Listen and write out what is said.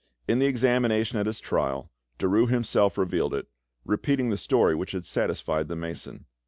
In the examination at his trial. Derues himself revealed it, repeating the story which had satisfied the mason.